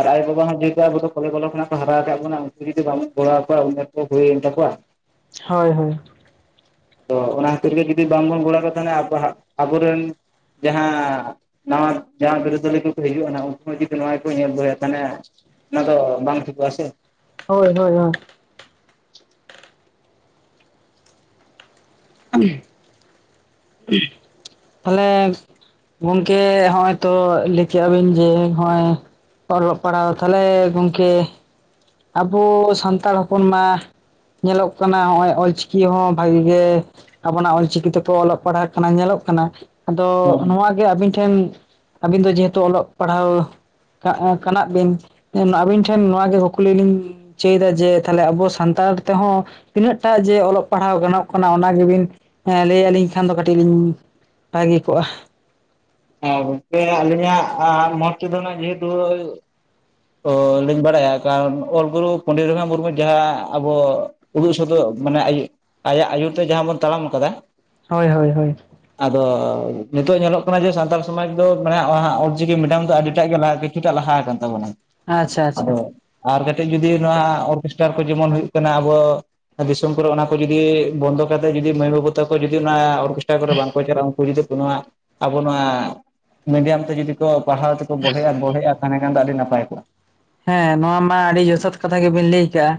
A: ᱟᱨ ᱟᱭᱳ ᱵᱟᱵᱟ ᱦᱚᱸ ᱡᱮᱦᱮᱛᱩ ᱟᱵᱚᱫᱚ ᱠᱚᱞᱮ ᱵᱟᱞᱮ ᱠᱷᱚᱱᱟᱜ ᱦᱟᱨᱟᱣ ᱟᱠᱟᱜ ᱵᱚᱱᱟ ᱩᱱᱠᱩ ᱡᱩᱫᱤ ᱵᱟᱵᱚᱱ ᱜᱚᱲᱚᱣᱟ ᱠᱚᱣᱟ ᱩᱢᱮᱨ ᱠᱚ ᱦᱩᱭᱮᱱ ᱛᱟᱠᱚᱣᱟ ᱾
B: ᱦᱳᱭ ᱦᱳᱭ ᱾
A: ᱟᱫᱚ ᱚᱱᱟ ᱠᱷᱟᱹᱛᱤᱨ ᱜᱮ ᱡᱩᱫᱤ ᱵᱟᱝᱵᱚᱱ ᱜᱚᱲ ᱟᱠᱚ ᱛᱟᱦᱚᱞᱮ ᱟᱵᱚ ᱦᱟᱸᱜ ᱟᱵᱚᱨᱮᱱ ᱡᱟᱦᱟᱸ ᱱᱟᱣᱟ ᱡᱟᱦᱟᱸ ᱵᱤᱨᱟᱹᱫᱟᱹᱟᱞᱤ ᱠᱚᱠᱚ ᱦᱤᱡᱩᱜᱼᱟ ᱩᱱᱠᱩ ᱦᱚᱸ ᱡᱩᱫᱤ ᱱᱚᱣᱟ ᱠᱚ ᱧᱮᱞ ᱫᱚᱦᱚᱭᱟ ᱛᱟᱦᱚᱞᱮ ᱚᱱᱟ ᱫᱚ ᱵᱟᱝ ᱴᱷᱤᱠᱚᱜ ᱟ ᱥᱮ ᱾
B: ᱦᱳᱭ ᱦᱳᱭ ᱦᱳᱭ ᱾ [unintelligible] [inaudible] ᱛᱟᱦᱚᱞᱮ ᱜᱚᱝᱠᱮ ᱦᱚᱜ-ᱚᱭ ᱛᱚ ᱞᱟᱹᱭ ᱠᱮᱜᱼᱟ ᱵᱤᱱ ᱡᱮ ᱦᱚᱜ-ᱚᱭ ᱚᱞᱚᱜ ᱯᱟᱲᱦᱟᱣ, ᱛᱟᱦᱚᱞᱮ ᱜᱚᱝᱠᱮ ᱟᱵᱚ ᱥᱟᱱᱛᱟᱲ ᱦᱚᱯᱚᱱ ᱢᱟ ᱧᱮᱞᱚᱜ ᱠᱟᱱᱟ ᱦᱚᱜᱼᱚᱭ ᱚᱞᱪᱤᱠᱤ ᱦᱚᱸ ᱵᱷᱟᱜᱤ ᱜᱮ ᱟᱵᱚᱱᱟᱜ ᱚᱞᱪᱤᱠᱤ ᱛᱮᱠᱚ ᱚᱞᱚᱜ ᱯᱟᱲᱦᱟᱜ ᱠᱟᱱᱟ ᱧᱮᱞᱚᱜ ᱠᱟᱱᱟ ᱟᱫᱚ ᱱᱚᱶᱟ ᱜᱮ ᱟᱵᱤᱱ ᱴᱷᱮᱱ ᱟᱵᱤᱱ ᱫᱚ ᱡᱮᱦᱮᱛᱩ ᱚᱞᱚᱜ ᱯᱟᱲᱦᱟᱣ ᱠᱟᱜ ᱠᱟᱱᱟᱜ ᱵᱤᱱ ᱟᱹᱵᱤᱱ ᱴᱷᱮᱱ ᱱᱚᱣᱟ ᱜᱮ ᱠᱩᱠᱞᱤ ᱞᱤᱧ ᱪᱟᱹᱭ ᱫᱟ ᱡᱮ ᱛᱟᱦᱚᱞᱮ ᱟᱵᱚ ᱥᱟᱱᱛᱟᱲ ᱛᱮᱦᱚᱸ ᱛᱤᱱᱟᱹᱜᱴᱟᱜ ᱡᱮ ᱚᱞᱚᱜ ᱯᱟᱲᱦᱟᱣ ᱜᱟᱱᱚᱜ ᱠᱟᱱᱟ ᱚᱱᱟ ᱜᱮᱵᱤᱱ ᱞᱟᱹᱭ ᱟᱹᱞᱤᱧ ᱠᱷᱟᱱ ᱫᱚ ᱠᱟᱹᱴᱤᱡ ᱞᱤᱧ ᱵᱷᱟᱹᱜᱤ ᱠᱚᱜᱼᱟ
A: ᱜᱚᱝᱠᱮ ᱟᱹᱞᱤᱧᱟᱜ ᱢᱚᱛ ᱛᱮᱫᱚᱱᱟᱜ ᱡᱮᱦᱮᱛᱩ ᱚ ᱞᱤᱧ ᱵᱟᱲᱟᱭᱟ ᱠᱟᱨᱚᱱ ᱚᱞ ᱜᱩᱨᱩ ᱯᱚᱱᱰᱤᱛ ᱨᱚᱜᱷᱩᱱᱟᱛᱷ ᱢᱩᱨᱢᱩ ᱡᱟᱦᱟᱸ ᱟᱵᱚ ᱩᱫᱩᱜ ᱥᱚᱫᱚᱨ ᱢᱟᱱᱮ ᱟᱭᱮ ᱟᱭᱟᱜ ᱟᱹᱭᱩᱨ ᱛᱮ ᱡᱟᱦᱟᱸ ᱵᱚᱱ ᱛᱟᱲᱟᱢ ᱠᱟᱫᱟ
B: ᱦᱳᱭ ᱦᱳᱭ ᱦᱳᱭ
A: ᱟᱫᱚ ᱱᱤᱛᱚᱜ ᱧᱮᱞᱚᱜ ᱠᱟᱱᱟ ᱡᱮ ᱥᱟᱱ ᱥᱟᱱᱛᱟᱲ ᱥᱚᱢᱟᱡᱽ ᱫᱚ ᱢᱮᱱᱟᱜᱼᱟ ᱚᱞᱪᱤᱠᱤ ᱢᱮᱰᱟᱢ ᱫᱚ ᱟᱹᱰᱤᱴᱟᱜ ᱜᱮ ᱠᱤᱪᱷᱩᱴᱟᱜ ᱞᱟᱦᱟ ᱠᱟᱱ ᱛᱟᱵᱚᱱᱟ
B: ᱟᱪᱪᱷᱟ ᱟᱪᱪᱷᱟ
A: ᱟᱫᱚ ᱟᱨ ᱠᱟᱹᱴᱤᱡ ᱡᱩᱫᱤ ᱱᱚᱣᱟ ᱚᱨᱜᱮᱥᱴᱟᱨ ᱠᱚ ᱡᱮᱢᱚᱱ ᱦᱩᱭᱩᱜ ᱠᱟᱱᱟ ᱟᱵᱚ ᱫᱤᱥᱚᱢ ᱠᱚᱨᱮ ᱚᱱᱟ ᱠᱚ ᱡᱩᱫᱤ ᱵᱚᱱᱫᱚ ᱠᱟᱛᱮᱫ ᱡᱩᱫᱤ ᱢᱟᱹᱭ ᱵᱟᱹᱵᱩ ᱛᱟᱠᱚ ᱡᱩᱫᱤ ᱚᱱᱟ ᱚᱨᱜᱮᱥᱴᱟᱨ ᱠᱚᱨᱮ ᱵᱟᱝᱠᱚ ᱪᱟᱞᱟᱜᱼᱟ ᱩᱱᱠᱩ ᱡᱩᱫᱤ ᱟᱵᱚ ᱱᱚᱣᱟ ᱟᱵᱚ ᱱᱚᱣᱟ ᱢᱤᱰᱤᱭᱟᱢ ᱛᱮ ᱡᱩᱫᱤ ᱠᱚ ᱯᱟᱲᱦᱟᱣ ᱛᱮᱠᱚ ᱵᱚᱲᱦᱮᱜᱼᱟ ᱵᱚᱲᱦᱮᱜᱼᱟ ᱛᱟᱦᱮᱸ ᱠᱷᱟᱱ ᱫᱚ ᱟᱹᱰᱤ ᱱᱟᱯᱟᱭ ᱠᱚᱜᱼᱟ
B: ᱦᱮᱸ ᱱᱚᱣᱟ ᱢᱟ ᱟᱹᱰᱤ ᱡᱚᱛᱷᱟᱛ ᱠᱟᱛᱷᱟ ᱜᱮᱵᱮᱱ ᱞᱟᱹᱭ ᱠᱟᱜᱼᱟ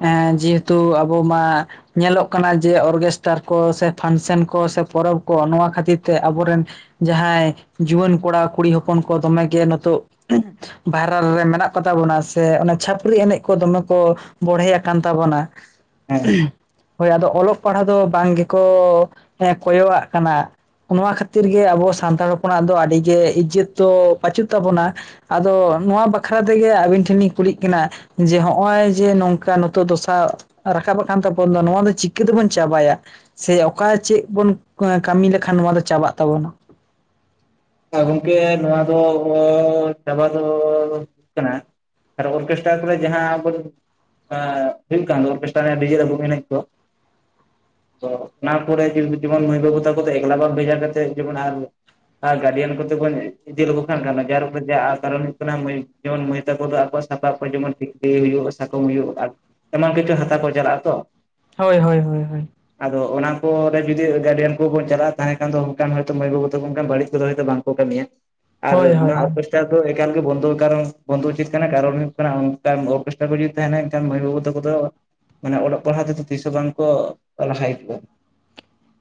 B: ᱮᱸ ᱡᱮᱦᱮᱛᱩ ᱟᱵᱚ ᱢᱟ ᱧᱮᱞᱚᱜ ᱠᱟᱱᱟ ᱡᱮ ᱚᱨᱜᱮᱥᱴᱟᱨ ᱠᱚ ᱥᱮ ᱯᱷᱟᱱᱥᱮᱱ ᱠᱚ ᱥᱮ ᱯᱚᱨᱚᱵ ᱠᱚ ᱱᱚᱣᱟ ᱠᱷᱟᱹᱛᱤᱨ ᱛᱮ ᱟᱵᱚᱨᱮᱱ ᱡᱟᱦᱟᱸᱭ ᱡᱩᱣᱟᱹᱱ ᱠᱚᱲᱟ ᱠᱩᱲᱤ ᱦᱚᱯᱚᱱ ᱠᱚ ᱫᱚᱢᱮᱜᱮ ᱱᱤᱛᱚᱜ ᱵᱷᱟᱭᱨᱟᱞ ᱨᱮ ᱢᱮᱱᱟᱜ ᱠᱚᱛᱟ ᱵᱚᱱᱟ ᱥᱮ ᱚᱱᱟ ᱪᱷᱟᱹᱯᱨᱤ ᱮᱱᱮᱡ ᱠᱚ ᱫᱚᱢᱮ ᱠᱚ ᱵᱚᱲᱦᱮ ᱟᱠᱟᱱ ᱛᱟᱵᱚᱱᱟ
A: ᱦᱮᱸ
B: ᱦᱳᱭ ᱟᱫᱚ ᱚᱞᱚᱜ ᱯᱟᱲᱦᱟᱜ ᱫᱚ ᱵᱟᱝ ᱜᱮᱠᱚ ᱦᱮᱸ ᱠᱚᱭᱚᱜ ᱼᱟᱜ ᱠᱟᱱᱟ ᱱᱚᱣᱟ ᱠᱷᱟᱹᱛᱤᱨ ᱜᱮ ᱟᱵᱚ ᱥᱟᱱᱛᱟᱲ ᱦᱚᱯᱚᱱᱟᱜ ᱫᱚ ᱟᱹᱰᱤ ᱜᱮ ᱤᱡᱚᱛ ᱫᱚ ᱵᱟᱹᱪᱩᱜ ᱛᱟᱵᱚᱱᱟ ᱟᱫᱚ ᱱᱚᱣᱟ ᱵᱟᱠᱷᱨᱟ ᱛᱮᱜᱮ ᱟᱹᱵᱤᱱ ᱴᱷᱮᱱ ᱞᱤᱧ ᱠᱩᱞᱤᱜ ᱠᱟᱱᱟ ᱡᱮ ᱦᱚᱜ ᱚᱭ ᱡᱮ ᱱᱚᱝᱠᱟ ᱱᱤᱛᱚᱜ ᱫᱚᱥᱟ ᱨᱟᱠᱟᱵ ᱠᱟᱱ ᱛᱟᱵᱚᱱ ᱫᱚ ᱱᱚᱣᱟ ᱫᱚ ᱪᱤᱠᱟᱹ ᱛᱮᱵᱚᱱ ᱪᱟᱵᱟᱭᱟ ᱥᱮ ᱚᱠᱟ ᱪᱮᱫ ᱵᱚᱱ ᱠᱟᱹᱢᱤ ᱞᱮᱠᱷᱟᱱ ᱱᱚᱣᱟ ᱫᱚ ᱪᱟᱵᱟᱜ ᱛᱟᱵᱚᱱᱟ
A: ᱜᱚᱢᱠᱮ ᱱᱚᱣᱟ ᱫᱚ ᱪᱟᱵᱟ ᱫᱚ ᱦᱩᱭᱩᱜ ᱠᱟᱱᱟ ᱟᱨ ᱚᱨᱜᱮᱥᱴᱨᱟ ᱠᱚᱨᱮ ᱡᱟᱦᱟᱸ ᱟᱵᱚ ᱟ ᱵᱤᱞᱠᱟᱱ ᱫᱚ ᱚᱨᱜᱮᱥᱴᱟᱨ ᱮᱱᱮᱡᱟ ᱰᱤᱡᱮ ᱰᱟᱵᱩᱝ ᱮᱱᱮᱡᱟ ᱠᱚ ᱛᱚ ᱚᱱᱟ ᱠᱚᱨᱮ ᱡᱮᱢᱚᱱ ᱢᱟᱹᱭ ᱵᱟᱹᱵᱩ ᱛᱟᱠᱚ ᱫᱚ ᱮᱠᱞᱟ ᱵᱟᱝ ᱵᱷᱮᱡᱟ ᱠᱟᱛᱮᱫ ᱡᱮᱢᱚᱱ ᱟᱨ ᱟᱨ ᱜᱟᱹᱨᱡᱤᱱ ᱠᱚᱛᱮ ᱠᱚ ᱤᱫᱤ ᱞᱮᱠᱚ ᱠᱷᱟᱱ ᱜᱟᱱᱚᱜ‌ ᱟ ᱠᱟᱨᱚᱱ ᱫᱚ ᱪᱮᱫ ᱠᱟᱨᱚᱱ ᱦᱩᱭᱩᱜ ᱠᱟᱱᱟ ᱡᱮᱢᱚᱱ ᱢᱟᱹᱭ ᱛᱟᱠᱚ ᱫᱚ ᱟᱠᱚ ᱥᱟᱯᱟᱵ ᱠᱚ ᱡᱮᱢᱚᱱ ᱴᱷᱤᱠ ᱛᱤ ᱦᱩᱭᱩᱜ ᱥᱟᱠᱚᱢ ᱦᱩᱭᱩᱜ ᱮᱢᱟᱱ ᱠᱤᱪᱷᱩ ᱦᱟᱛᱟᱣ ᱠᱚ ᱪᱟᱞᱟᱜᱼᱟ ᱛᱚ
B: ᱦᱳᱭ ᱦᱳᱭ ᱦᱳᱭ ᱦᱳᱭ
A: ᱟᱫᱚ ᱚᱱᱟ ᱠᱚᱨᱮ ᱡᱩᱫᱤ ᱜᱟᱨᱡᱮᱱ ᱠᱚᱵᱚᱱ ᱪᱟᱞᱟᱜᱼᱟ ᱛᱟᱦᱮᱱ ᱠᱷᱟᱱ ᱫᱚ ᱚᱱᱠᱟᱱ ᱦᱳᱭ ᱛᱳ ᱢᱟᱹᱭ ᱵᱟᱹᱵᱩ ᱛᱟᱠᱚ ᱚᱱᱟ ᱵᱟᱹᱲᱤᱡ ᱠᱚᱫᱚ ᱦᱚᱭᱛᱚ ᱵᱟᱝᱠᱚ ᱠᱟᱹᱢᱤᱭᱟ ᱟᱨ
B: ᱦᱳᱭ
A: ᱱᱚᱣᱟ
B: ᱦᱳᱭ
A: ᱚᱨᱜᱮᱥ- ᱚᱨᱜᱮᱥᱴᱟᱨ ᱫᱚ ᱮᱠᱟᱞ ᱜᱮ ᱵᱚᱱᱫᱚ ᱠᱟᱨᱚᱱ ᱵᱚᱱᱫᱚ ᱩᱪᱤᱛ ᱠᱟᱱᱟ ᱠᱟᱨᱚᱱ ᱦᱩᱭᱩᱜ ᱠᱟᱱᱟ ᱚᱱ ᱠᱟᱱ ᱚᱨᱜᱮᱥᱴᱟᱨ ᱠᱟ ᱡᱩᱫᱤ ᱛᱟᱦᱮᱱᱟ ᱮᱱᱠᱷᱟᱱ ᱢᱟᱹᱭ ᱵᱟᱹᱵᱩ ᱛᱟᱠᱚ ᱫᱚ ᱢᱟᱱᱮ ᱚᱞᱚᱜ ᱯᱟᱲᱦᱟᱜ ᱛᱮᱫᱚ ᱛᱤᱥᱦ ᱦᱚᱸ ᱵᱟᱝ ᱠᱚ ᱞᱟᱦᱟᱭ ᱟᱠᱚ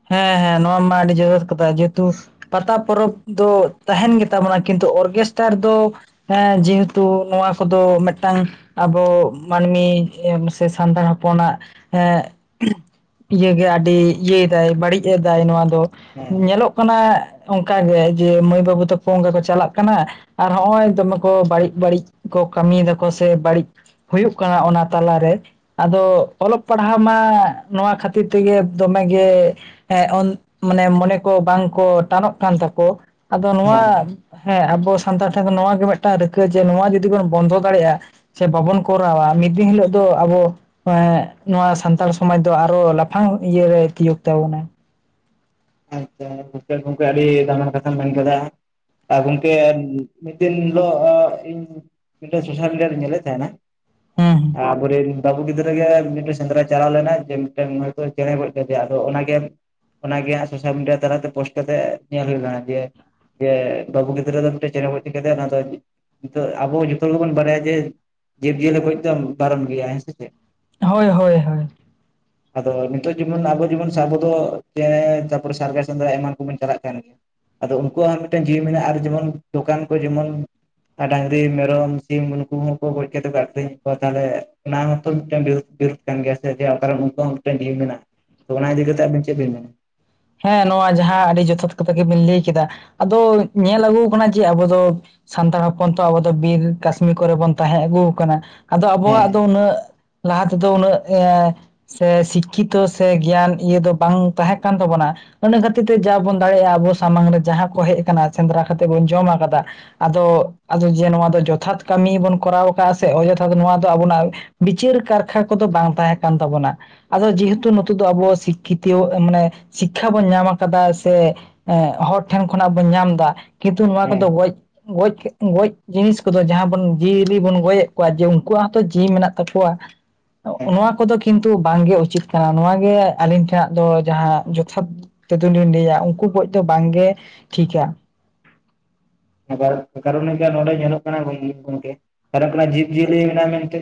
B: ᱦᱮᱸ ᱦᱮᱸ ᱱᱚᱣᱟ ᱢᱟ ᱟᱹᱰᱤ ᱡᱚᱛᱷᱟᱛ ᱠᱟᱛᱷᱟ ᱡᱮᱛᱩ ᱯᱟᱛᱟ ᱯᱚᱨᱚᱵᱽ ᱫᱚ ᱛᱟᱦᱮᱱ ᱜᱮᱛᱟᱵᱚᱱᱟ ᱠᱤᱱᱛᱩ ᱚᱨᱜᱮᱥᱴᱟᱨ ᱫᱚ ᱦᱮᱸ ᱡᱮᱦᱮᱛᱩ ᱱᱚᱣᱟ ᱠᱚᱫᱚ ᱢᱤᱫᱴᱟᱝ ᱟᱵᱚ ᱢᱟᱹᱱᱢᱤ ᱜᱮ ᱥᱮ ᱥᱟᱱᱛᱟᱲ ᱦᱚᱯᱚᱱᱟᱜ ᱮᱸᱜ ᱤᱭᱟᱹ ᱜᱮ ᱟᱹᱰᱤ ᱤᱭᱟᱹᱭ ᱮᱫᱟᱭ ᱵᱟᱹᱲᱤᱡ ᱮᱫᱟᱭ ᱱᱚᱣᱟ ᱫᱚ
A: ᱦᱮᱸ
B: ᱧᱮᱞᱚᱜ ᱠᱟᱱᱟ ᱚᱱᱠᱟ ᱜᱮ ᱡᱮ ᱢᱟᱹᱭ ᱵᱟᱹᱵᱩ ᱛᱟᱠᱚ ᱚᱝᱠᱟ ᱠᱚ ᱪᱟᱞᱟᱜ ᱠᱟᱱᱟ ᱟᱨ ᱦᱚᱸᱜᱼᱚᱭ ᱫᱚᱢᱮ ᱠᱚ ᱵᱟᱹᱲᱤᱡ ᱵᱟᱹᱲᱤᱡ ᱠᱚ ᱠᱟᱹᱢᱤᱭ ᱫᱟᱠᱚ ᱥᱮ ᱵᱟᱹᱲᱤᱡ ᱦᱩᱭᱩᱜ ᱠᱟᱱᱟ ᱚᱱᱟ ᱛᱟᱞᱟᱨᱮ ᱟᱫᱚ ᱚᱞᱚᱜ ᱯᱟᱲᱦᱟᱣ ᱢᱟ ᱱᱚᱣᱟ ᱠᱷᱟᱹᱛᱤᱨ ᱛᱮᱜᱮ ᱫᱚᱢᱮᱜᱮ ᱮ ᱚᱱ ᱢᱟᱱᱮ ᱢᱚᱱᱮ ᱠᱚ ᱵᱟᱝᱠᱚ ᱴᱟᱱᱚᱜ ᱠᱟᱱ ᱛᱟᱠᱚ ᱟᱫᱚ
A: ᱦᱮᱸ
B: ᱱᱚᱣᱟ ᱦᱮᱸ ᱟᱵᱚ ᱥᱟᱱᱛᱟᱲ ᱴᱷᱮᱱ ᱫᱚ ᱱᱚᱣᱟ ᱜᱮ ᱢᱤᱫᱴᱟᱝ ᱨᱤᱠᱟᱹ ᱡᱮ ᱱᱚᱣᱟ ᱡᱩᱫᱤ ᱵᱚᱱ ᱵᱚᱱᱫᱚ ᱫᱟᱲᱮᱭᱟᱜᱼᱟ᱾ ᱪᱷᱮ ᱵᱟᱵᱚᱱ ᱠᱚᱨᱟᱣᱟ ᱢᱤᱫ ᱫᱤᱱ ᱦᱤᱞᱳᱜ ᱫᱚ ᱟᱵᱚ ᱮᱸ ᱱᱚᱣᱟ ᱥᱟᱱᱛᱟᱲ ᱥᱚᱢᱟᱡᱽ ᱫᱚ ᱟᱨᱚ ᱞᱟᱯᱷᱟᱝ ᱤᱭᱟᱹᱨᱮᱭ ᱛᱤᱭᱳᱜ ᱛᱟᱵᱚᱱᱟ᱾
A: ᱟᱪᱪᱷᱟ ᱢᱤᱫᱴᱮᱡ ᱜᱚᱝᱠᱮ ᱟᱹᱰᱤ ᱫᱟᱢᱟᱱ ᱠᱟᱛᱷᱟᱢ ᱢᱮᱱ ᱠᱮᱫᱟ᱾ ᱟᱨ ᱜᱚᱝᱠᱮ ᱢᱤᱫ ᱫᱤᱱ ᱦᱤᱞᱳᱜ ᱤᱧ ᱢᱤᱫᱴᱮᱡ ᱥᱳᱥᱟᱞ ᱢᱤᱰᱤᱭᱟ ᱨᱤᱧ ᱧᱮᱞᱮᱫ ᱛᱟᱦᱮᱱᱟ᱾
B: ᱦᱩᱸ ᱦᱩᱸ
A: ᱦᱮᱸ ᱟᱵᱚᱨᱮᱱ ᱵᱟᱹᱵᱩ ᱜᱤᱫᱽᱨᱟᱹ ᱜᱮ ᱢᱤᱫᱴᱮᱡ ᱥᱮᱸᱫᱽᱨᱟᱭ ᱪᱟᱞᱟᱣ ᱞᱮᱱᱟᱭ ᱡᱮ ᱢᱤᱫᱴᱮᱱ ᱦᱚᱭᱛᱳ ᱪᱮᱬᱮ ᱜᱚᱡ ᱠᱮᱫᱮᱭᱟ᱾ ᱟᱫᱚ ᱚᱱᱟᱜᱮ ᱚᱱᱟᱜᱮ ᱦᱟᱸᱜ ᱥᱳᱥᱟᱞ ᱢᱤᱰᱤᱭᱟ ᱛᱟᱞᱟᱛᱮ ᱯᱳᱥᱴ ᱠᱟᱛᱮᱜ ᱧᱮᱞ ᱦᱩᱭ ᱞᱮᱱᱟ᱾ ᱡᱮ ᱡᱮ ᱵᱟᱹᱵᱩ ᱜᱤᱫᱽᱨᱟᱹ ᱫᱚ ᱢᱤᱫᱴᱮᱡ ᱪᱮᱬᱮ ᱜᱚᱡ ᱠᱮᱫᱮᱭᱟ ᱚᱱᱟ ᱫᱚ ᱱᱤᱛᱚᱜ ᱟᱵᱚ ᱡᱚᱛᱚ ᱜᱮᱵᱚᱱ ᱵᱟᱲᱟᱭᱟ ᱡᱮ ᱡᱤᱵᱽᱼᱡᱤᱭᱟᱹᱞᱤ ᱜᱚᱡ ᱫᱚ ᱵᱟᱨᱚᱱ ᱜᱮᱭᱟ᱾ ᱦᱮᱸ ᱥᱮ ᱪᱮᱜ?
B: ᱦᱳᱭ ᱦᱳᱭ ᱦᱳᱭ᱾
A: ᱟᱫᱚ ᱱᱤᱛᱚᱜ ᱡᱮᱢᱚᱱ ᱟᱵᱚ ᱡᱮᱢᱚᱱ ᱥᱟᱵ ᱜᱚᱫᱚᱜ ᱡᱮ ᱪᱟᱯ ᱛᱟᱨᱯᱚᱨ ᱥᱟᱨᱜᱟᱨ [unintelligible] ᱪ ᱮᱢᱟᱱ ᱠᱚᱵᱚᱱ ᱪᱟᱞᱟᱜ ᱠᱟᱱ ᱜᱮᱭᱟ᱾ ᱟᱫᱚ ᱩᱱᱠᱩᱣᱟᱜ ᱦᱚᱸ ᱢᱤᱫᱴᱮᱱ ᱡᱤᱣᱤ ᱢᱮᱱᱟᱜᱼᱟ ᱟᱨ ᱡᱮᱢᱚᱱ ᱫᱚᱠᱟᱱ ᱠᱚ ᱡᱮᱢᱚᱱ ᱟᱨ ᱰᱟᱝᱨᱤ ᱢᱮᱨᱚᱢ ᱥᱤᱢ ᱩᱱᱠᱩ ᱦᱚᱸᱠᱚ ᱜᱚᱡ ᱠᱟᱛᱮ ᱠᱚ ᱟᱠᱷᱨᱤᱧᱮᱫ ᱠᱚᱣᱟ ᱛᱟᱦᱚᱞᱮ ᱚᱱᱟ ᱦᱚᱸᱛᱚ ᱢᱤᱫᱴᱮᱱ ᱵᱤᱨᱩ ᱵᱤᱨᱩᱫ ᱠᱟᱱ ᱜᱮᱭᱟ ᱥᱮ ᱡᱮ ᱠᱟᱨᱚᱱ ᱩᱱᱠᱩ ᱦᱚᱸ ᱢᱤᱫᱴᱮᱱ ᱡᱤᱭᱟᱹ ᱢᱮᱱᱟᱜᱼᱟ᱾ ᱛᱚ ᱚᱱᱟ ᱤᱫᱤ ᱠᱟᱛᱮ ᱟᱵᱤᱱ ᱪᱮᱫ ᱵᱮᱤ ᱢᱮᱱᱟ?
B: ᱦᱮᱸ ᱱᱚᱣᱟ ᱡᱟᱦᱟᱸ ᱟᱹᱰᱤ ᱡᱚᱛᱷᱟᱛ ᱠᱟᱛᱷᱟ ᱜᱮᱵᱤᱱ ᱞᱟᱹᱭ ᱠᱮᱫᱟ ᱟᱫᱚ ᱧᱮᱞ ᱟᱹᱜᱩ ᱠᱟᱱᱟ ᱡᱮ ᱟᱵᱚ ᱫᱚ ᱥᱟᱱᱛᱟᱲ ᱦᱚᱯᱚᱱ ᱛᱚ ᱟᱵᱚ ᱫᱚ ᱵᱤᱨ ᱠᱟᱥᱱᱤ ᱠᱚᱨᱮ ᱵᱚᱱ ᱛᱟᱸᱦᱮ ᱟᱹᱜᱩ ᱠᱟᱱᱟ ᱟᱫᱚ ᱟᱵᱚᱣᱟᱜ ᱫᱚ
A: ᱦᱮᱸ
B: ᱩᱱᱟᱹᱜ ᱞᱟᱦᱟ ᱛᱮᱫᱚ ᱩᱱᱟᱹᱜ ᱮᱸ ᱥᱮ ᱥᱤᱠᱠᱷᱤᱛᱚ ᱥᱮ ᱜᱮᱭᱟᱱ ᱤᱭᱟᱹ ᱫᱚ ᱵᱟᱝ ᱛᱟᱦᱮᱸ ᱠᱟᱱ ᱛᱟᱵᱚᱱᱟ᱾ ᱚᱱᱟ ᱠᱷᱟᱹᱛᱤᱨ ᱛᱮ ᱡᱟ ᱵᱚᱱ ᱫᱟᱲᱮᱭᱟᱜᱼᱟ ᱟᱵᱚ ᱥᱟᱢᱟᱝ ᱨᱮ ᱡᱟᱦᱟᱸ ᱠᱚ ᱦᱮᱡ ᱟᱠᱟᱱᱟ ᱥᱮᱸᱫᱽᱨᱟ ᱠᱟᱛᱮ ᱵᱚᱱ ᱡᱚᱢᱠᱟᱫᱟ᱾ ᱟᱫᱚ ᱟᱫᱚ ᱡᱮ ᱱᱚᱣᱟ ᱫᱚ ᱡᱚᱛᱷᱟᱛ ᱠᱟᱹᱢᱤ ᱵᱚᱱ ᱠᱚᱨᱟᱣ ᱟᱠᱟᱫᱟ ᱥᱮ ᱚᱡᱚᱛᱷᱟᱛ ᱱᱚᱣᱟ ᱫᱚ ᱟᱵᱚᱱᱟᱜ ᱵᱤᱪᱟᱹᱨ ᱠᱟᱨᱠᱷᱟ ᱠᱚᱫᱚ ᱵᱟᱝ ᱛᱟᱦᱮᱸ ᱠᱟᱱ ᱛᱟᱵᱚᱱᱟ᱾ ᱟᱫᱚ ᱡᱮᱦᱮᱛᱩ ᱱᱚᱛᱮ ᱫᱚ ᱟᱵᱚᱦᱚᱸ ᱥᱤᱠᱠᱷᱤᱛᱤᱭᱚ ᱢᱟᱱᱮ ᱥᱤᱠᱠᱷᱟ ᱵᱚᱱ ᱧᱟᱢ ᱟᱠᱟᱫᱟ ᱥᱮ ᱦᱚᱲ ᱴᱷᱮᱱ ᱠᱷᱚᱱᱟᱜ ᱵᱚᱱ ᱧᱟᱢ ᱮᱫᱟ ᱠᱤᱱᱛᱩ ᱱᱚᱣᱟ
A: ᱦᱮᱸ
B: ᱠᱚᱫᱚ ᱜᱚᱡ ᱜᱚᱡ ᱜᱚᱡ ᱡᱤᱱᱤᱥ ᱠᱚᱫᱚ ᱡᱟᱦᱟᱸ ᱵᱚᱱ ᱡᱤᱭᱟᱹᱞᱤ ᱵᱚᱱ ᱜᱚᱡᱮᱫ ᱠᱚᱣᱟ ᱡᱮ ᱩᱱᱠᱩᱣᱟᱜ ᱦᱚᱸᱛᱚ ᱡᱤᱣᱤ ᱢᱮᱱᱟᱜ ᱛᱟᱠᱚᱣᱟ᱾ ᱱᱚᱣᱟ ᱠᱚᱫᱚ ᱠᱤᱱᱛᱩ ᱵᱟᱝᱜᱮ ᱩᱪᱤᱛ ᱠᱟᱱᱟ ᱱᱚᱣᱟᱜᱮ ᱟᱹᱞᱤᱧ ᱴᱷᱮᱱᱟᱜ ᱫᱚ ᱡᱟᱦᱟᱸ ᱥᱟᱵ ᱛᱮᱫᱚᱞᱤᱧ ᱞᱟᱹᱭᱟ ᱩᱱᱠᱩ ᱜᱚᱡᱽ ᱫᱚ ᱵᱟᱝᱜᱮ ᱴᱷᱤᱠᱼᱟ᱾
A: ᱮᱠᱟᱨᱚ ᱮᱠᱟᱨᱚᱱ ᱜᱮ ᱱᱚᱰᱮ ᱧᱮᱞᱚᱜ ᱠᱟᱱᱟ ᱜᱚᱝᱠᱮ ᱠᱟᱨᱚᱱ ᱡᱤᱵᱽᱼᱡᱤᱭᱟᱹᱞᱤ ᱢᱮᱱᱟᱜᱼᱟ ᱢᱮᱱᱛᱮ